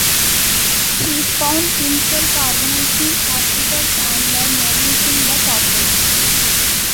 He found himself organizing hospitals and the mobilizing the population.